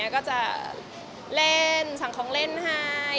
ก็จะเล่นสั่งของเล่นให้